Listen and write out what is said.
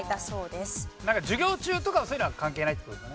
授業中とかそういうのは関係ないって事ですよね？